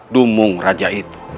dumung raja itu